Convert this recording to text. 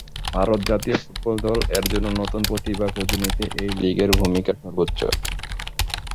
ভারত জাতীয় ফুটবল দল এর জন্য নতুন প্রতিভা খুঁজে নিতে এই লীগের ভূমিকা সর্বোচ্চ।